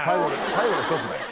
最後の１つだよ。